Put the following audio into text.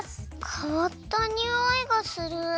かわったにおいがする。